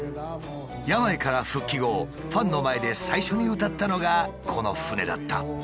病から復帰後ファンの前で最初に歌ったのがこの船だった。